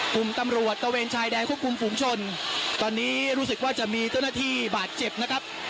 กลุ่มตำรวจตะเวนชายแดนควบคุมฝุงชนตอนนี้รู้สึกว่าจะมีเจ้าหน้าที่บาดเจ็บนะครับ